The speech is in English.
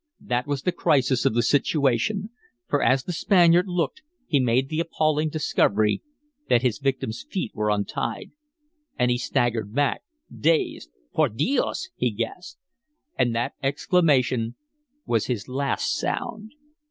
That was the crisis of the situation; for as the Spaniard looked he made the appalling discovery that his victim's feet were untied. And he staggered back, dazed. "Por dios!" he gasped. And that exclamation was his last sound.